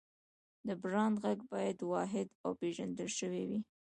د برانډ غږ باید واحد او پېژندل شوی وي.